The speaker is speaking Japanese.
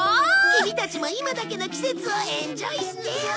キミたちも今だけの季節をエンジョイしてよ！